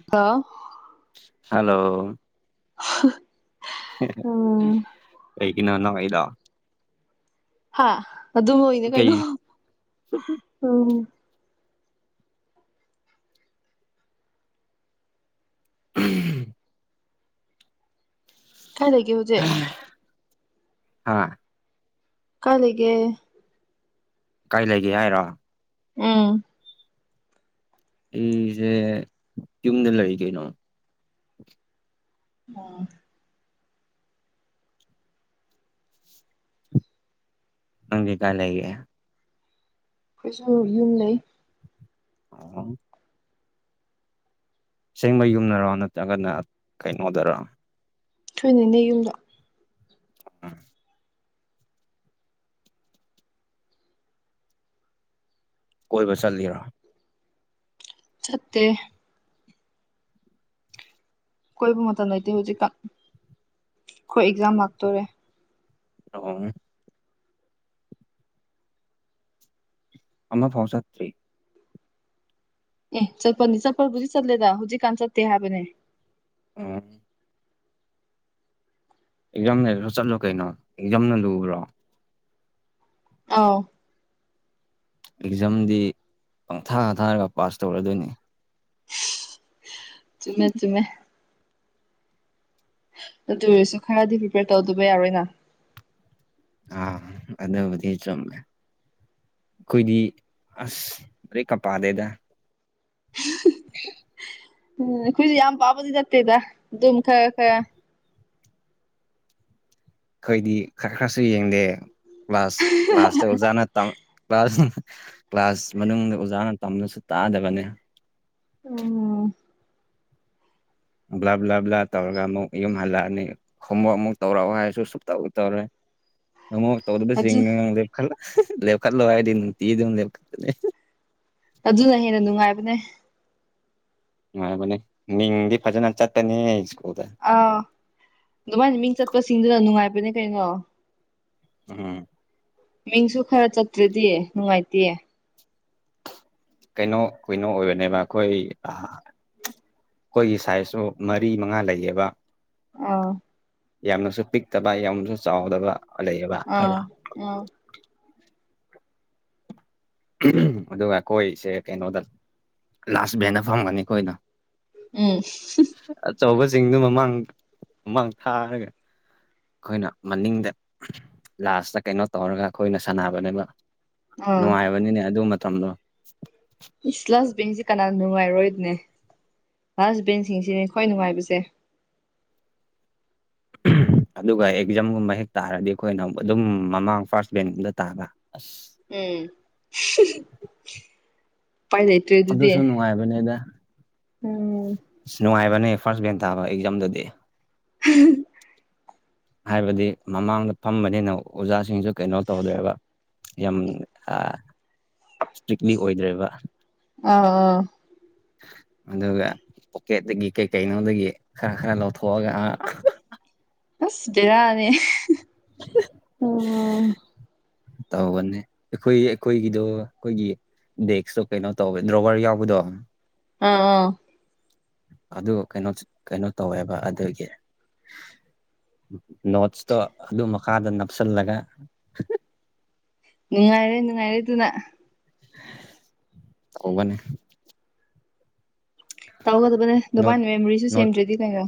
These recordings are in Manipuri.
[unintelligible] ꯍꯂꯣ [unintelligible] ꯎꯝ ꯀꯩꯒꯤꯅꯣ ꯅꯣꯛꯏꯗꯣ ꯍꯥ ꯑꯗꯨꯝ ꯅꯣꯏꯅꯦ ꯀꯩꯅꯣ ꯀꯩ ꯎꯝ [unintelligible] ꯊꯥꯏ ꯂꯩꯒꯦ ꯍꯨꯖꯤꯛ ꯍꯥꯥ ꯀꯥꯢ ꯂꯩꯒꯦ ꯀꯥꯏ ꯂꯩꯒꯦ ꯍꯥꯏꯔꯣ ꯎꯝ ꯑꯩꯖꯦ ꯌꯨꯝꯗ ꯂꯩ ꯀꯩꯅꯣ ꯑꯣ ꯅꯪꯗꯤ ꯀꯥꯏ ꯂꯩꯒꯦ ꯈꯣꯏꯁꯨ ꯌꯨꯝ ꯂꯩ [unintelligible] ꯁꯦꯡꯕ ꯌꯨꯝꯅꯔꯣ ꯅꯠꯇ꯭ꯔꯒꯅ ꯀꯩꯅꯣꯗꯔꯣ ꯈꯣꯏꯅꯦꯅꯦ ꯌꯨꯝꯗ [unintelligible] ꯀꯣꯏꯕ ꯆꯠꯂꯤꯔꯣ ꯆꯠꯇꯦ ꯀꯣꯏꯕ ꯃꯇꯝ ꯂꯩꯇꯦ ꯍꯧꯖꯤꯛꯀ ꯈꯣꯏ ꯑꯦꯛꯖꯥꯝ ꯂꯥꯛꯇꯣꯔꯦ ꯑ ꯑꯣ ꯎꯝ ꯑꯃꯐꯥꯎ ꯆꯠꯇ꯭ꯔꯤ ꯑꯦ ꯆꯠꯄꯅꯤ ꯆꯠꯄꯕꯨꯗꯤ ꯆꯠꯂꯦꯗ ꯍꯨꯖꯤꯛꯀꯥꯟ ꯆꯠꯇꯦ ꯍꯥꯏꯕꯅꯦ ꯎꯝ ꯑꯦꯛꯖꯥꯝ ꯂꯩꯔꯖꯨ ꯆꯠꯂꯣ ꯀꯩꯅꯣ ꯑꯦꯛꯖꯥꯝꯅ ꯂꯨꯕ꯭ꯔꯣ ꯑꯥꯎ ꯑꯦꯛꯖꯥꯝꯗꯤ ꯄꯪꯊꯥꯥ ꯊꯥꯔꯒ ꯄꯥꯁ ꯇꯧꯔꯛꯑꯗꯣꯏꯅꯤ ꯆꯨꯝꯃꯦ ꯆꯨꯝꯃꯦ ꯑꯗꯨ ꯑꯣꯏꯔꯁꯨ ꯈꯔꯗꯤ ꯄ꯭ꯔꯤꯄꯦꯌꯔ ꯇꯧꯗꯕ ꯌꯥꯔꯣꯏꯅ ꯑꯥ ꯑꯗꯨꯕꯨꯗꯤ ꯆꯨꯝꯃꯦ ꯑꯈꯣꯏꯗꯤ ꯑꯁ ꯕ꯭ꯔꯦꯛꯀ ꯄꯥꯗꯦꯗ [unintelligible] ꯎꯝ ꯑꯈꯣꯏꯗꯤ ꯌꯥꯝ ꯄꯥꯕꯗꯤ ꯅꯠꯇꯦꯗ ꯑꯗꯨꯝ ꯈꯔ ꯈꯔ ꯑꯈꯣꯏꯗꯤ ꯈꯔ ꯈꯔꯁꯨ ꯌꯦꯡꯗꯦ ꯀ꯭ꯂꯥꯁ ꯀ꯭ꯂꯥꯁꯇ ꯑꯣꯖꯥꯅ ꯇꯝ ꯀ꯭ꯂꯥꯁ ꯀ꯭ꯂꯥꯁ ꯃꯅꯨꯡꯗ ꯑꯣꯖꯥꯅ ꯇꯝꯂꯁꯨ ꯇꯥꯗꯕꯅꯦ ꯎꯝ ꯕ꯭ꯂꯥ ꯕ꯭ꯂꯥ ꯕ꯭ꯂꯥ ꯇꯧꯔꯒ ꯑꯃꯨꯛ ꯌꯨꯝ ꯍꯜꯂꯛꯑꯅꯤ ꯈꯨꯝꯃꯣ ꯑꯃꯨꯛ ꯇꯧꯔꯛꯑꯣ ꯍꯥꯏꯔꯁꯨ ꯁꯨꯛꯇꯧ ꯇꯧꯔꯣꯏ ꯅꯉꯣꯞ ꯑꯗꯨ ꯇꯧꯗꯕꯁꯤꯡꯅ ꯂꯦꯞꯈꯠꯂ [unintelligible] ꯂꯦꯞꯈꯠꯂꯣ ꯍꯥꯏꯗꯤ ꯅꯨꯡꯇꯤ ꯑꯗꯨꯝ ꯂꯦꯞꯈꯠꯀꯅꯤ ꯑꯗꯨꯅ ꯍꯦꯟꯅ ꯅꯨꯡꯉꯥꯏꯕꯅꯦ ꯅꯨꯡꯉꯥꯏꯕꯅꯦ ꯃꯤꯡꯗꯤ ꯐꯖꯅ ꯆꯠꯄꯅꯤ ꯁ꯭ꯀꯨꯜꯗ ꯑꯥ ꯗꯨꯃꯥꯏꯅ ꯃꯤꯡ ꯆꯠꯄꯁꯤꯡꯗꯨꯅ ꯅꯨꯡꯉꯥꯏꯕꯅꯦ ꯀꯩꯅꯣ ꯎꯝ ꯃꯤꯡꯁꯨ ꯈꯔ ꯆꯠꯇ꯭ꯔꯗꯤ ꯅꯨꯡꯉꯥꯏꯇꯦ ꯀꯩꯅꯣ ꯀꯩꯅꯣ ꯑꯣꯏꯕꯅꯦꯕ ꯑꯈꯣꯏ ꯑꯥ ꯑꯈꯣꯏꯒꯤ ꯁꯥꯏꯖꯁꯨ ꯃꯔꯤ ꯃꯉꯥ ꯂꯩꯌꯦꯕ ꯑꯥ ꯌꯥꯝꯅꯁꯨ ꯄꯤꯛꯇꯕ ꯌꯥꯝꯅꯁꯨ ꯆꯥꯎꯗꯕ ꯂꯩꯌꯦꯕ ꯑꯥ ꯈꯔ ꯎꯝ [unintelligible] ꯑꯗꯨꯒ ꯑꯈꯣꯏꯁꯦ ꯀꯩꯅꯣꯗ ꯂꯥꯁ ꯚꯦꯟꯗ ꯐꯝꯒꯅꯤ ꯑꯈꯣꯏꯅ ꯎꯝ ꯑꯆꯧꯕꯁꯤꯡꯗꯨ ꯃꯃꯥꯡ ꯃꯃꯥꯡ ꯊꯥꯔꯒ ꯑꯈꯣꯏꯅ ꯃꯅꯤꯡꯗ ꯂꯥꯁꯇ ꯀꯩꯅꯣ ꯇꯧꯔꯒ ꯑꯈꯣꯏꯅ ꯁꯥꯟꯅꯕꯅꯦꯕ ꯑꯥ ꯅꯨꯡꯉꯥꯏꯕꯅꯤꯅꯦ ꯑꯗꯨ ꯃꯇꯝꯗꯣ ꯏꯁ ꯂꯥꯁ ꯕꯦꯟꯁꯦ ꯀꯅꯅꯥ ꯅꯨꯡꯉꯥꯏꯔꯣꯏꯗꯅꯦ ꯂꯥꯁ ꯕꯦꯟꯁꯤꯡꯁꯤꯅꯦ ꯈ꯭ꯋꯥꯏ ꯅꯨꯡꯉꯥꯏꯕꯁꯦ [unintelligible] ꯑꯗꯨꯒ ꯑꯦꯛꯖꯥꯝꯒꯨꯝꯕ ꯍꯦꯛ ꯇꯥꯔꯗꯤ ꯑꯈꯣꯏꯅ ꯑꯗꯨꯝ ꯃꯃꯥꯡ ꯐꯥ꯭ꯔꯁ ꯕꯦꯡꯒꯨꯝꯗ ꯇꯥꯕ ꯑꯁ ꯎꯝ [unintelligible] ꯄꯥꯏ ꯂꯩ ꯑꯗꯨꯁꯨ ꯅꯨꯡꯉꯥꯏꯕꯅꯦꯗ ꯎꯝ ꯑꯁ ꯅꯨꯡꯉꯥꯏꯕꯅꯦ ꯐꯥ꯭ꯔꯁ ꯕꯦꯟ ꯇꯥꯕ ꯑꯦꯛꯖꯥꯝꯗꯗꯤ [unintelligible] ꯍꯥꯏꯕꯗꯤ ꯃꯃꯥꯡꯗ ꯐꯝꯕꯅꯤꯅ ꯑꯣꯖꯥꯁꯤꯡꯁꯨ ꯀꯩꯅꯣ ꯇꯧꯗ꯭ꯔꯦꯕ ꯌꯥꯝ ꯑ ꯁ꯭ꯇꯔꯤꯛꯂꯤ ꯑꯣꯏꯗ꯭ꯔꯦꯕ ꯑꯥ ꯑꯥ ꯑꯗꯨꯒ ꯄꯣꯀꯦꯠꯇꯒꯤ ꯀꯩ ꯀꯩꯅꯣꯗꯒꯤ ꯈꯔ ꯈꯔ ꯂꯧꯊꯣꯛꯑꯒ ꯑꯥ ꯑꯁ ꯒꯦꯔꯥꯅꯤ [unintelligible] ꯑꯣ ꯇꯧꯕꯅꯤ ꯑꯩꯈꯣꯏ ꯑꯩꯈꯣꯏꯒꯤꯗꯣ ꯑꯩꯈꯣꯏꯒꯤ ꯗꯦꯛꯁꯇꯣ ꯀꯩꯅꯣ ꯇꯧꯋꯦ ꯗ꯭ꯔꯣꯋꯔ ꯌꯥꯎꯕꯗꯣ ꯑꯥ ꯑꯥ ꯑꯗꯨ ꯀꯩꯅꯣ ꯀꯩꯅꯣ ꯇꯧꯋꯦꯕ ꯑꯗꯨꯒꯤ ꯅꯣꯠꯁꯇꯣ ꯑꯗꯨ ꯃꯈꯥꯗ ꯅꯞꯁꯜꯂꯒ ꯅꯨꯡꯉꯥꯢꯔꯦ ꯅꯨꯡꯉꯥꯢꯔꯦ ꯗꯨꯅ ꯇꯧꯕꯅꯦ ꯇꯧꯒꯗꯕꯅꯦ ꯅꯣꯠ ꯗꯨꯕꯥꯥꯟꯅ ꯃꯦꯃꯣꯔꯤꯁꯨ ꯅꯣꯠ ꯁꯦꯝꯗ꯭ꯔꯗꯤ ꯀꯩꯅꯣ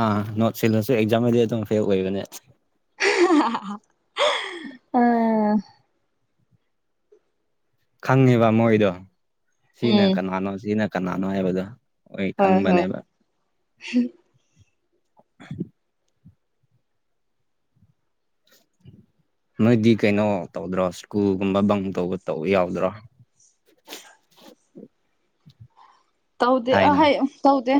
ꯑꯥ ꯅꯣꯠ ꯁꯤꯜꯂꯁꯨ ꯑꯦꯛꯖꯥꯝꯗꯗꯤ ꯑꯗꯨꯝ ꯐꯦꯜ ꯑꯣꯏꯕꯅꯦ [unintelligible] ꯑꯥ [inaudible] ꯈꯪꯉꯦꯕ ꯃꯣꯏꯗꯣ ꯁꯤꯅ ꯎꯝ ꯀꯅꯥꯅꯣ ꯁꯤꯅ ꯀꯅꯥꯅꯣ ꯍꯥꯏꯕꯗꯣ ꯍꯣꯏ ꯍꯣꯢ ꯍꯣꯏ ꯈꯪꯕꯅꯦꯕ ꯅꯣꯏꯗꯤ ꯀꯩꯅꯣ ꯇꯧꯗ꯭ꯔꯣ ꯁ꯭ꯀꯨꯜꯒꯨꯝꯕ ꯕꯪ ꯇꯧꯕ ꯇꯧꯕ ꯌꯥꯎꯗ꯭ꯔꯣ ꯇꯧꯗꯦ ꯑ ꯊꯥꯏꯅ ꯍꯩ ꯇꯧꯗꯦ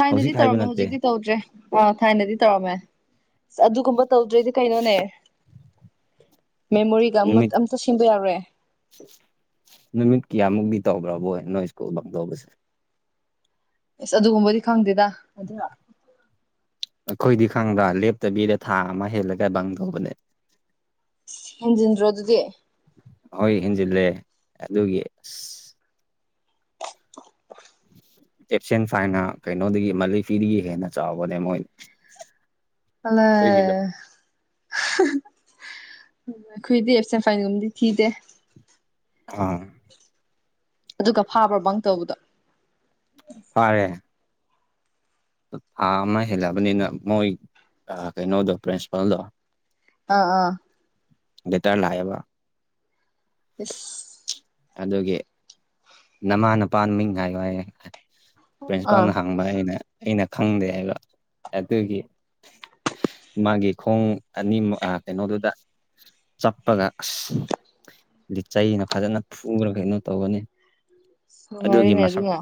ꯊꯥꯏꯅꯗꯤ ꯍꯧꯖꯤꯛ ꯍꯥꯏꯕ ꯇꯧꯔꯝꯃꯦ ꯅꯠꯇꯦ ꯍꯧꯖꯤꯛꯇꯤ ꯇꯧꯗ꯭ꯔꯦ ꯑꯥ ꯊꯥꯏꯅꯗꯤ ꯇꯧꯔꯝꯃꯦ ꯑꯗꯨꯒꯨꯝꯕ ꯇꯧꯗ꯭ꯔꯗꯤ ꯀꯩꯅꯣꯅꯦ ꯃꯦꯃꯣꯔꯤꯒ ꯑꯃꯠ ꯅꯨꯃꯤꯠ ꯑꯝꯇ ꯁꯦꯝꯕ ꯌꯥꯎꯔꯦ ꯅꯨꯃꯤꯠ ꯀꯌꯥꯃꯨꯛꯗꯤ ꯇꯧꯒ꯭ꯔꯕꯣꯏ ꯅꯣꯏ ꯁ꯭ꯀꯨꯜ ꯕꯪ ꯇꯩꯕꯁꯦ ꯏꯁ ꯑꯗꯨꯒꯨꯝꯕꯗꯤ ꯈꯪꯗꯦꯗ ꯑꯗꯨꯔꯣ ꯑꯩꯈꯣꯏꯗꯤ ꯈꯪꯕ꯭ꯔ ꯂꯦꯞꯇꯕꯤꯗ ꯊꯥ ꯑꯃ ꯍꯦꯜꯂꯒ ꯕꯪ ꯇꯧꯕꯅꯦ ꯍꯦꯟꯖꯤꯟꯗ꯭ꯔꯣ ꯗꯨꯗꯤ ꯍꯣꯏ ꯍꯦꯟꯖꯤꯜꯂꯦ ꯑꯗꯨꯒꯤ ꯏꯁ ꯑꯦꯞꯁꯦꯟ ꯐꯥꯏꯅ ꯀꯩꯅꯣꯗꯒꯤ ꯃꯟꯂꯤ ꯐꯤꯗꯒꯤ ꯍꯦꯟꯅ ꯆꯥꯎꯕꯅꯦ ꯃꯣꯏ ꯍꯜꯂꫭ ꯑꯩꯈꯣꯏꯒꯤꯅ ꯈꯣꯏꯗꯤ ꯑꯦꯞꯁꯦꯟ ꯐꯥꯏꯟꯒꯨꯝꯕꯗꯤ ꯊꯤꯗꯦ ꯑꯥ ꯑꯗꯨꯒ ꯐꯥꯕ꯭ꯔꯣ ꯕꯪ ꯇꯧꯕꯗꯣ ꯐꯥꯔꯦ ꯊꯥ ꯑꯃ ꯍꯦꯜꯂꯕꯅꯤꯅ ꯃꯣꯏ ꯑ ꯀꯩꯅꯣꯗꯣ ꯄ꯭ꯔꯤꯟꯁꯤꯄꯜꯗꯣ ꯑꯥ ꯑꯥ ꯂꯦꯇꯔ ꯂꯥꯛꯑꯦꯕ ꯢꯁ ꯑꯗꯨꯒꯤ ꯅꯃꯥ ꯅꯄꯥꯃꯤꯡ ꯍꯥꯏꯌꯨ ꯍꯥꯏ ꯑꯥ ꯄ꯭ꯔꯤꯟꯁꯤꯄꯜꯅ ꯍꯥꯡꯕ ꯑꯩꯅ ꯑꯩꯅ ꯈꯪꯗꯦ ꯍꯥꯏꯕ ꯑꯗꯨꯒꯤ ꯃꯥꯒꯤ ꯈꯣꯡ ꯑꯅꯤꯃ ꯑ ꯀꯩꯅꯣꯗꯨꯗ ꯆꯥꯞꯄꯒ ꯑꯁ ꯂꯤꯆꯩꯩꯅ ꯐꯖꯅ ꯐꯨꯔ ꯀꯩꯅꯣ ꯇꯧꯒꯅꯤ ꯅꯨꯡꯉꯥꯢꯔꯦꯅꯦ ꯑꯗꯨꯅ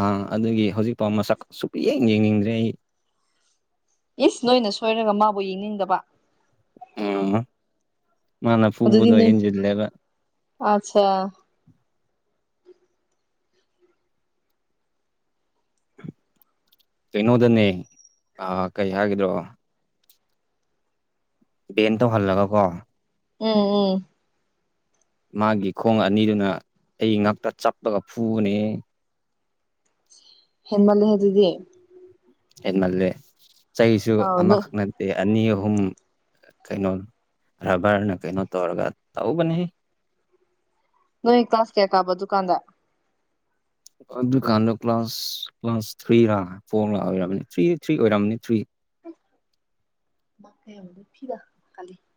ꯑ ꯑꯗꯨꯒꯤ ꯍꯧꯖꯤꯛꯄꯥꯎ ꯃꯁꯛ ꯁꯨꯛꯌꯦꯡ ꯌꯦꯡꯅꯤꯡꯗ꯭ꯔꯦ ꯑꯩ ꯏꯁ ꯅꯣꯏꯅ ꯁꯣꯏꯔꯒ ꯃꯥꯕꯨ ꯌꯦꯡꯅꯤꯡꯗꯕ ꯃꯥꯅ ꯐꯨꯕꯗꯣ ꯍꯦꯟꯖꯤꯜꯂꯦꯕ ꯑꯆꯥ ꯀꯩꯅꯣꯗꯅꯦ ꯑ ꯀꯩ ꯍꯥꯏꯒꯗ꯭ꯔꯣ ꯕꯦꯟ ꯇꯧꯍꯜꯂꯒ ꯀꯣ ꯎꯝ ꯎꯝ ꯃꯥꯒꯤ ꯈꯣꯡ ꯑꯅꯤꯗꯨꯅ ꯑꯩ ꯉꯛꯇ ꯆꯞꯄꯒ ꯐꯨꯕꯅꯦꯍꯦ ꯍꯦꯟꯃꯜꯍꯦ ꯗꯨꯗꯤ ꯍꯦꯟꯃꯜꯂꯦ ꯆꯩꯁꯨ ꯑꯥꯎ ꯅꯣꯏ ꯑꯃꯈꯛꯅ ꯁꯤ ꯑꯅꯤ ꯑꯍꯨꯝ ꯀꯩꯅꯣ ꯔꯕꯔꯅ ꯀꯩꯅꯣ ꯇꯧꯔꯒ ꯇꯧꯕꯅꯦ ꯅꯣꯏ ꯀ꯭ꯂꯥꯁ ꯀ꯭ꯌꯥ ꯀꯥꯕ ꯗꯨꯀꯥꯟꯗ ꯑꯗꯨꯀꯥꯟꯗ ꯀ꯭ꯂꯥꯁ ꯀ꯭ꯂꯥꯁ ꯊ꯭ꯔꯤꯔꯥ ꯐꯣꯔ ꯂꯥ ꯑꯣꯏꯔꯝꯅꯤ ꯊ꯭ꯔꯤ ꯊ꯭ꯔꯤ ꯑꯣꯏꯔꯝꯅꯤ ꯊ꯭ꯔꯤ [unintelligible]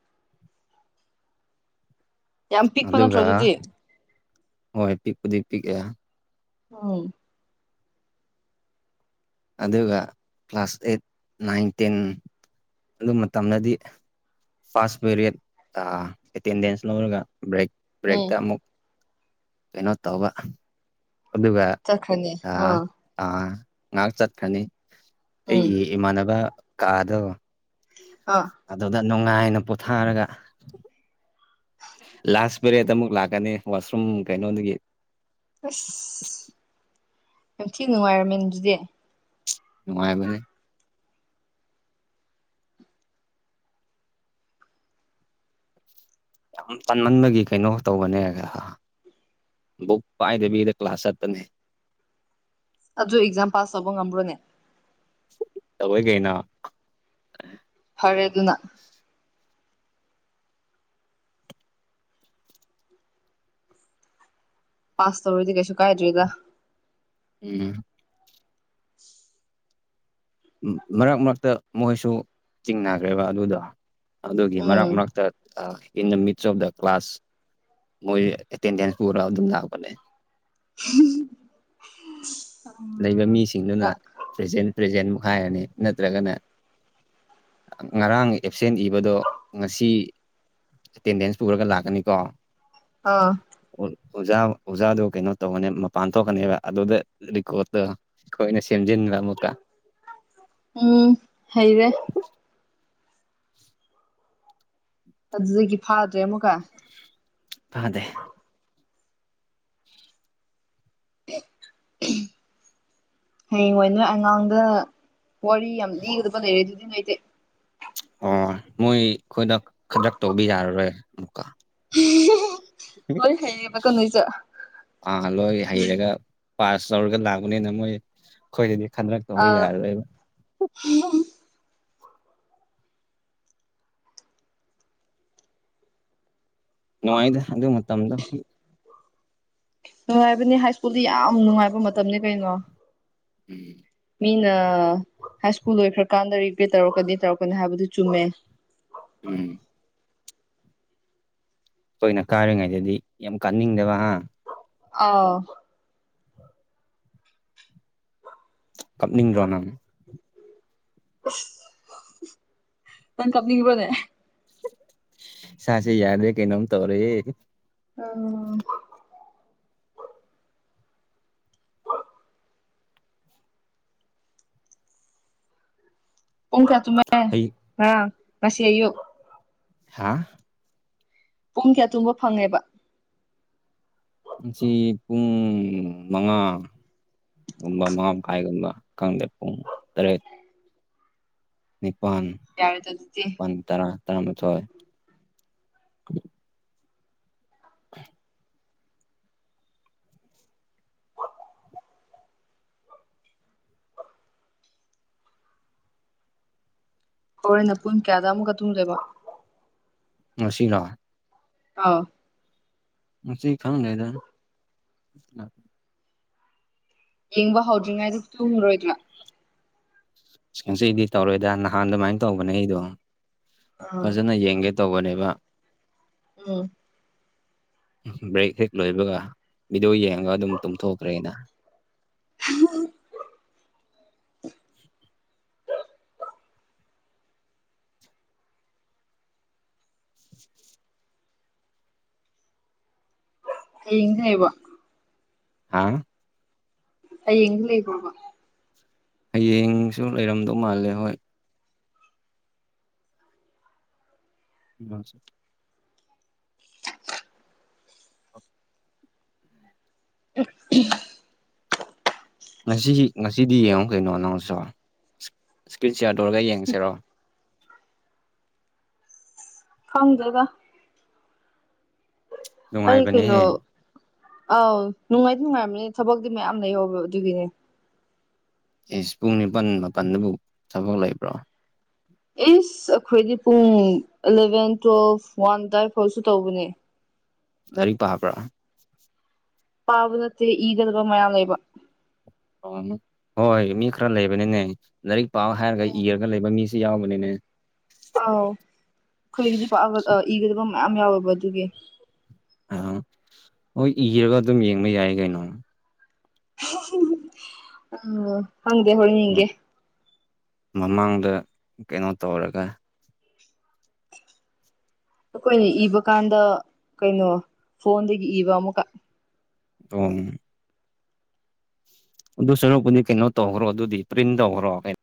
ꯌꯥꯝ ꯄꯤꯛꯄ ꯅꯠꯇ꯭ꯔꯣ ꯑꯗꯨꯒ ꯑꯗꯨꯗꯤ ꯍꯣꯏ ꯄꯤꯛꯄꯨꯗꯤ ꯄꯤꯛꯑꯦ [unintelligible] ꯑꯗꯨꯒ ꯀ꯭ꯂꯥꯁ ꯑꯩꯠ ꯅꯥꯏꯟ ꯇꯦꯟ ꯑꯗꯨ ꯃꯇꯝꯗꯗꯤ ꯐꯥꯁ ꯄꯦꯔꯤꯠ ꯑ ꯑꯦꯇꯦꯟꯗꯦꯟꯁ ꯂꯧꯔꯒ ꯕ꯭ꯔꯦꯛ ꯎꯝ ꯕ꯭ꯔꯦꯛꯇ ꯑꯃꯨꯛ ꯀꯩꯅꯣ ꯇꯧꯕ ꯑꯗꯨꯒ ꯆꯈ꯭ꯔꯅꯤ ꯑꯥ ꯑꯥ ꯉꯥꯛ ꯆꯠꯈ꯭ꯔꯅꯤ ꯎꯝ ꯑꯩꯒꯤ ꯏꯃꯥꯟꯅꯕ ꯀꯥꯗꯣ ꯑꯥ ꯑꯗꯨꯅ ꯅꯨꯡꯉꯥꯏꯅ ꯄꯣꯊꯥꯔꯒ ꯂꯥꯁ ꯄꯦꯔꯦꯠ ꯑꯃꯨꯛ ꯂꯥꯛꯀꯅꯤ ꯋꯥꯁꯔꯨꯝ ꯀꯩꯅꯣꯗꯒꯤ ꯑꯁ ꯌꯥꯝ ꯊꯤ ꯅꯨꯡꯉꯥꯏꯔꯝꯃꯦ ꯗꯨꯗꯤ ꯅꯨꯡꯉꯥꯏꯕꯅꯦ ꯌꯥꯝ ꯇꯟꯃꯟꯕꯒꯤ ꯀꯩꯅꯣ ꯇꯧꯕꯅꯦ ꯕꯨꯛ ꯄꯥꯏꯗꯕꯤꯗ ꯀ꯭ꯂꯥꯁ ꯆꯠꯄꯅꯦ ꯑꯗꯨ ꯑꯦꯛꯖꯥꯝ ꯄꯥꯁ ꯇꯧꯕ ꯉꯝꯕ꯭ꯔꯣꯅꯦ ꯇꯧꯋꯦ ꯀꯩꯅꯣ ꯐꯔꯦ ꯗꯨꯅ ꯄꯥꯁ ꯇꯧꯔꯗꯤ ꯀꯩꯁꯨ ꯀꯥꯏꯗ꯭ꯔꯦꯗ ꯎꯝ [inaudible] ꯃꯔꯛ ꯃꯔꯛꯇ ꯃꯣꯏꯁꯨ ꯆꯤꯡꯅꯒ꯭ꯔꯦꯕ ꯑꯗꯨꯗꯣ ꯑꯗꯨꯒꯤ ꯃꯔꯛ ꯎꯝ ꯃꯔꯛꯇ ꯑꯥ in the midst of the class ꯃꯣꯏ ꯑꯦꯇꯦꯟꯗꯦꯟꯁ ꯄꯨꯔ ꯑꯗꯨꯝ ꯂꯥꯛꯄꯅꯦ [unintelligible] ꯂꯩꯕ ꯃꯤꯁꯤꯡꯗꯨꯅ ꯄ꯭ꯔꯖꯦꯟ ꯄ꯭ꯔꯖꯦꯟꯃꯨꯛ ꯍꯥꯏꯔꯅꯤ ꯅꯠꯇ꯭ꯔꯒꯅ ꯉꯔꯥꯡ ꯑꯦꯞꯁꯦꯟ ꯏꯕꯗꯣ ꯉꯁꯤ ꯑꯦꯇꯦꯟꯗꯦꯟꯁ ꯄꯨꯔꯒ ꯂꯥꯛꯀꯅꯤꯀꯣ [unintelligible] ꯑꯣꯖꯥ ꯑꯣꯖꯥꯗꯣ ꯀꯩꯅꯣ ꯇꯧꯒꯅꯦ ꯃꯄꯥꯟ ꯊꯣꯛꯀꯅꯦꯕ ꯑꯗꯨꯗ ꯀꯣꯠꯇꯣ ꯈꯣꯏꯅ ꯁꯦꯝꯖꯤꯟꯕ ꯑꯃꯨꯛꯀ ꯎꯝ ꯍꯩꯔꯦ ꯑꯗꯨꯗꯒꯤ ꯐꯥꯗ꯭ꯔꯦ ꯑꯃꯨꯛꯀ ꯐꯥꯗꯦ ꯍꯌꯦꯡ ꯋꯥꯏ ꯅꯣꯏ ꯑꯉꯥꯡꯗ ꯋꯥꯔꯤ ꯌꯥꯝ ꯂꯤꯒꯗꯕ ꯂꯩꯔꯦ ꯑꯗꯨꯗꯤ ꯅꯣꯏꯗꯤ ꯑꯣ ꯃꯣꯏ ꯈꯣꯏꯗ ꯈꯗ꯭ꯔꯛ ꯇꯧꯒꯦ ꯌꯥꯔꯔꯣꯏ ꯑꯃꯨꯛꯀꯥ ꯂꯣꯏ ꯍꯩꯌꯦꯕꯀꯣ ꯅꯣꯏꯁꯨ ꯑꯥ ꯂꯣꯏ ꯍꯩꯔꯒ ꯄꯥꯁ ꯇꯧꯔꯒ ꯂꯥꯛꯄꯅꯤꯅ ꯃꯣꯏ ꯈꯣꯏꯗꯗꯤ ꯈꯗ꯭ꯔꯛ ꯇꯧꯕ ꯑꯥ ꯌꯥꯔꯔꯣꯏꯕ [unintelligible] ꯅꯨꯡꯉꯥꯏꯗ ꯑꯗꯨ ꯃꯇꯝꯗꯣ ꯅꯨꯡꯉꯥꯏꯕꯅꯦ ꯍꯥꯏ ꯁ꯭ꯀꯨꯜꯗꯤ ꯌꯥꯝ ꯅꯨꯡꯉꯥꯏꯕ ꯃꯇꯝꯅꯦ ꯀꯩꯅꯣ ꯎꯝ ꯃꯤꯅ ꯍꯥꯏ ꯁ꯭ꯀꯨꯜ ꯂꯣꯏꯈ꯭ꯔꯀꯥꯟꯗ ꯔꯤꯒꯦꯠ ꯇꯧꯔꯛꯀꯅꯤ ꯇꯧꯔꯛꯀꯅꯤ ꯍꯥꯏꯕꯗꯨ ꯆꯨꯝꯃꯦ ꯎꯝ ꯇꯣꯏꯅ ꯀꯥꯔꯤꯉꯩꯗꯗꯤ ꯌꯥꯝ ꯀꯥꯅꯤꯡꯗꯕ ꯍꯥꯥ ꯑꯥꯎ ꯀꯞꯅꯤꯡꯗ꯭ꯔꯣ ꯅꯪ ꯅꯪ ꯀꯞꯅꯤꯡꯕ꯭ꯔꯣꯅꯦ ꯏꯁꯥꯁꯦ ꯌꯥꯗ꯭ꯔꯦ ꯀꯩꯅꯣꯝ ꯇꯧꯔꯦ ꯑꯣ ꯄꯨꯡ ꯀꯌꯥ ꯇꯨꯝꯃꯦ ꯍꯩ ꯉꯔꯥꯡ ꯉꯁꯤ ꯑꯌꯨꯛ ꯍꯥꯥ ꯄꯨꯡ ꯀꯌꯥ ꯇꯨꯝꯕ ꯐꯪꯉꯦꯕ ꯉꯁꯤ ꯄꯨꯡ ꯃꯉꯥ ꯒꯨꯝꯕ ꯃꯉꯥ ꯃꯈꯥꯏꯒꯨꯝꯕ ꯈꯪꯗꯦ ꯄꯨꯡ ꯇꯔꯦꯠ ꯅꯤꯄꯜ ꯌꯥꯔꯦꯗ ꯑꯗꯨꯗꯤ ꯃꯄꯜ ꯇꯔꯥ ꯇꯔꯥꯃꯊꯣꯏ [inaudible] ꯍꯣꯔꯦꯟꯅ ꯄꯨꯡ ꯀꯌꯥꯗ ꯑꯃꯨꯛꯀ ꯇꯨꯝꯗꯣꯏꯕ ꯉꯁꯤꯔꯥ ꯑꯥꯎ ꯉꯁꯤ ꯈꯪꯗꯦꯗ ꯌꯦꯡꯕ ꯍꯧꯗ꯭ꯔꯤꯉꯩꯗ ꯇꯨꯝꯔꯣꯏꯗ꯭ꯔꯥ ꯉꯁꯤꯗꯤ ꯇꯧꯔꯣꯏꯗ ꯅꯍꯥꯟ ꯑꯗꯨꯃꯥꯏꯅ ꯇꯧꯕꯅꯦ ꯑꯩꯗꯣ ꯑꯥ ꯐꯥꯖꯅ ꯌꯦꯡꯒꯦ ꯇꯧꯕꯅꯦꯕ ꯎꯝ ꯕ꯭ꯔꯦꯛ ꯍꯦꯛ ꯂꯣꯏꯕꯒ ꯚꯤꯗꯤꯑꯣ ꯌꯦꯡꯉꯒ ꯑꯗꯨꯝ ꯇꯨꯝꯊꯣꯛꯈ꯭ꯔꯦ ꯑꯩꯅ [unintelligible] ꯍꯌꯦꯡꯗꯤ ꯂꯩꯕꯣ ꯍꯥꯥ ꯍꯌꯦꯡꯗꯤ ꯂꯩꯕ꯭ꯔꯣꯕ ꯍꯌꯦꯡꯁꯨ ꯂꯩꯔꯝꯗꯧ ꯃꯥꯜꯂꯦ ꯍꯣꯏ [unintelligible] [unintelligible] ꯉꯁꯤ ꯉꯁꯤꯗꯤ ꯌꯦꯡꯉꯣ ꯀꯩꯅꯣ ꯅꯪꯁꯨ ꯏꯁꯀ꯭ꯔꯤꯟ ꯁꯤꯌꯥꯔ ꯇꯧꯔꯒ ꯌꯦꯡꯁꯤꯔꯣ ꯈꯪꯗꯦꯗ ꯑꯩ ꯀꯩꯅꯣ ꯅꯨꯡꯉꯥꯏꯕꯅꯦꯍꯦ ꯑꯥꯎ ꯅꯨꯡꯉꯥꯏꯗꯤ ꯅꯨꯡꯉꯥꯏꯔꯝꯅꯤ ꯊꯕꯛꯇꯤ ꯃꯌꯥꯝ ꯂꯩꯍꯧꯕ ꯑꯗꯨꯒꯤꯅꯦ ꯏꯁ ꯄꯨꯡ ꯅꯤꯄꯜ ꯃꯥꯄꯜꯗꯕꯨ ꯊꯕꯛ ꯂꯩꯕ꯭ꯔꯣ ꯏꯁ ꯑꯩꯈꯣꯏꯗꯤ ꯄꯨꯡ ꯑꯦꯂꯚꯦꯟ ꯇꯨꯋꯦꯜꯐ ꯋꯥꯟ ꯑꯗꯥꯏ ꯐꯥꯎꯁꯨ ꯇꯧꯕꯅꯦ ꯂꯥꯏꯔꯤꯛ ꯄꯥꯕ꯭ꯔꯥ ꯄꯥꯕ ꯅꯠꯇꯦ ꯏꯒꯗꯕ ꯃꯌꯥꯝ ꯂꯩꯕ ꯍꯣꯏꯅꯦ ꯍꯣꯏ ꯃꯤ ꯈꯔ ꯂꯩꯕꯅꯤꯅꯦ ꯂꯥꯏꯔꯤꯛ ꯄꯥꯎ ꯍꯥꯏꯔꯒ ꯏꯔꯒꯥ ꯂꯩꯕ ꯃꯤꯁꯦ ꯌꯥꯎꯕꯅꯤꯅꯦ ꯑꯥꯎ ꯑꯈꯣꯏꯒꯤꯗꯤ ꯄꯥꯕ ꯑꯥ ꯏꯒꯗꯕ ꯃꯌꯥꯝ ꯌꯥꯎꯋꯦꯕ ꯑꯗꯨꯒꯤ ꯑꯥ ꯍꯣꯏ ꯏꯔꯒ ꯑꯗꯨꯝ ꯌꯦꯡꯕ ꯌꯥꯏ ꯀꯩꯅꯣ ꯑꯥ ꯈꯪꯗꯦ ꯍꯣꯏ ꯌꯦꯡꯒꯦ ꯃꯃꯥꯡꯗ ꯀꯩꯅꯣ ꯇꯧꯔꯒ ꯑꯩꯈꯣꯏꯅ ꯏꯕ ꯀꯥꯟꯗ ꯀꯩꯅꯣ ꯐꯣꯟꯗꯒꯤ ꯏꯕ ꯑꯃꯨꯛꯀ ꯑꯣ ꯑꯗꯨ ꯁꯔꯨꯛꯄꯨꯗꯤ ꯀꯩꯅꯣ ꯇꯧꯈ꯭ꯔꯣ ꯑꯗꯨꯗꯤ ꯄ꯭ꯔꯤꯟ ꯇꯧꯈ꯭ꯔꯣ ꯀꯩꯅꯣ